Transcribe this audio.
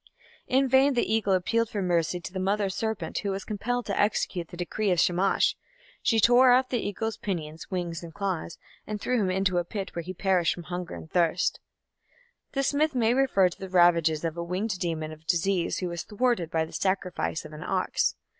In vain the Eagle appealed for mercy to the Mother Serpent, who was compelled to execute the decree of Shamash; she tore off the Eagle's pinions, wings, and claws, and threw him into a pit where he perished from hunger and thirst. This myth may refer to the ravages of a winged demon of disease who was thwarted by the sacrifice of an ox.